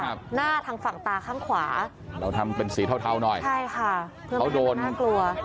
หน้าทางฝั่งตาข้างขวาเราทำเป็นสีเทาเทาหน่อยใช่ค่ะเพื่อเขาโดนน่ากลัว